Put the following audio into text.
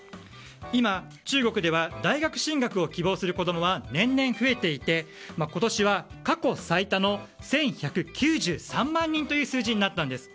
今、中国では大学進学を希望する子供は年々増えていて今年は過去最多の１１９３万人という数字になったんです。